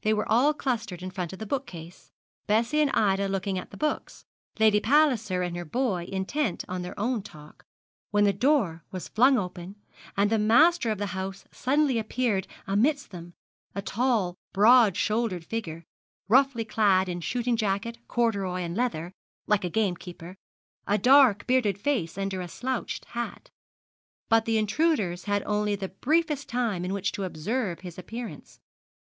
They were all clustered in front of the bookcase, Bessie and Ida looking at the books, Lady Palliser and her boy intent on their own talk, when the door was flung open, and the master of the house suddenly appeared amidst them a tall, broad shouldered figure, roughly clad in shooting jacket, corduroy, and leather, like a gamekeeper a dark bearded face under a slouched hat. But the intruders had only the briefest time in which to observe his appearance.